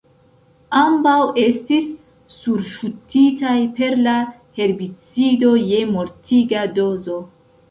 Ambaŭ estis surŝutitaj per la herbicido je mortiga dozo.